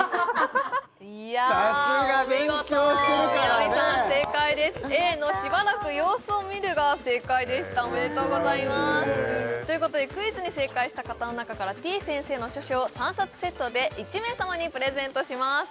さすが勉強してるからねお見事南さん正解ですＡのしばらく様子を見るが正解でしたおめでとうございますイエーイ！ということでクイズに正解した方の中からてぃ先生の著書を３冊セットで１名様にプレゼントします